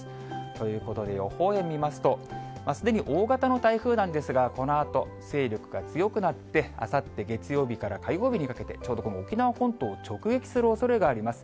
ということで、予報円見ますと、すでに大型の台風なんですが、このあと、勢力が強くなって、あさって月曜日から火曜日にかけて、ちょうどこの沖縄本島を直撃するおそれがあります。